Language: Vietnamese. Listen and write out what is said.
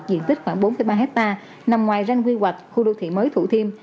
diện tích khoảng bốn ba hectare nằm ngoài ranh quy hoạch khu đô thị mới thủ thiêm